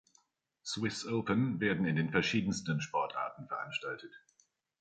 Swiss Open werden in den verschiedensten Sportarten veranstaltet.